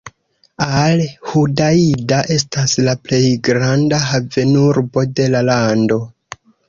Al-Hudaida estas la plej granda havenurbo de la lando.